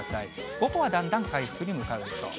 午後はだんだん回復に向かうでしょう。